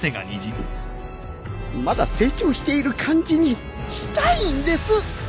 まだ成長している感じにしたいんです。